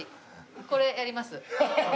これやります。